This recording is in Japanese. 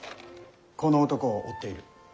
この男を追っている。